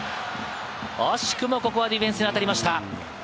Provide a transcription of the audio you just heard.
惜しくもここはディフェンスに当たりました。